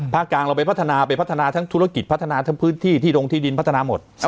กลางเราไปพัฒนาไปพัฒนาทั้งธุรกิจพัฒนาทั้งพื้นที่ที่ดงที่ดินพัฒนาหมด